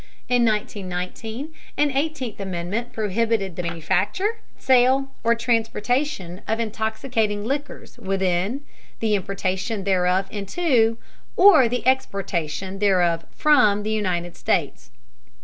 In 1919 an Eighteenth Amendment prohibited the manufacture, sale, or transportation of intoxicating liquors within, the importation thereof into, or the exportation thereof from, the United States.